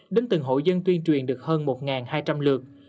đến từng hội dân tuyên truyền được hơn một hai trăm linh lượt